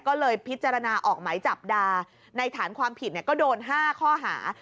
ก็เลยพิจารณาออกหมายจับดาในฐานความผิดก็โดน๕ข้อหา